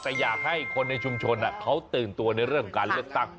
แต่อยากให้คนในชุมชนเขาตื่นตัวในเรื่องของการเลือกตั้ง